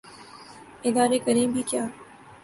ادارے کریں بھی کیا۔